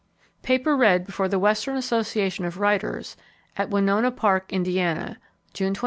_ Paper Read Before the Western Association of Writers at Winona _Park, Indiana, June 29, 1897.